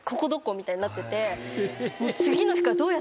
みたいになってて。